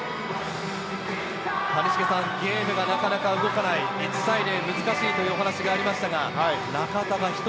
谷繁さん、ゲームがなかなか動かない、１対０、難しいというお話がありました。